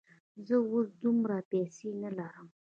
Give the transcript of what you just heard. زه اوس دومره پیسې نه لرم.